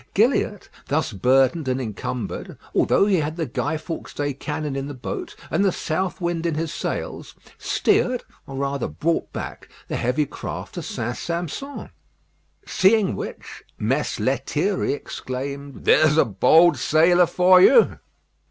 Gilliatt, thus burdened and encumbered, although he had the Guy Fawkes' day cannon in the boat and the south wind in his sails, steered, or rather brought back, the heavy craft to St. Sampson. Seeing which, Mess Lethierry exclaimed, "There's a bold sailor for you!"